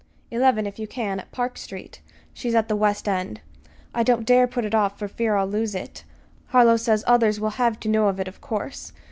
"Eleven if you can, at Park Street. She's at the West End. I don't dare to put it off for fear I'll lose it. Harlow says others will have to know of it, of course.